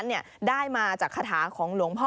สวัสดีครับสวัสดีครับ